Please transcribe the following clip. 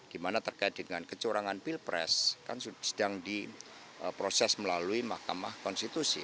dimana terkait dengan kecurangan pilpres kan sedang diproses melalui mahkamah konstitusi